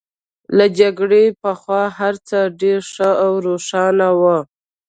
له جګړې پخوا هرڅه ډېر ښه او روښانه وو